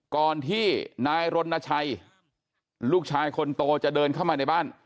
ก่อนที่นายรณชัยลูกชายคนโตจะเดินเข้ามาในบ้าน